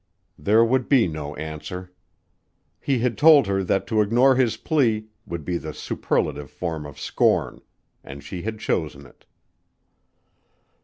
There would be no answer. He had told her that to ignore his plea would be the superlative form of scorn and she had chosen it.